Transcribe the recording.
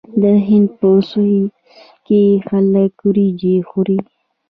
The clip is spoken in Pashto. د هند په سویل کې خلک وریجې خوري.